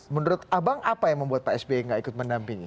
menurut abang apa yang membuat pak sby gak ikut mendampingi